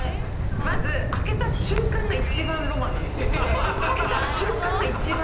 まず、開けた瞬間が一番ロマンなんですよ。